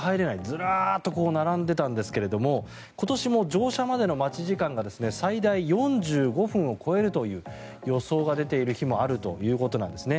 ずらっと並んでいたんですけども今年も乗車までの待ち時間が最大４５分を超えるという予想が出ている日もあるということなんですね。